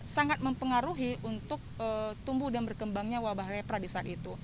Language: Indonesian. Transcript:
sangat mempengaruhi untuk tumbuh dan berkembangnya wabah lepra di saat itu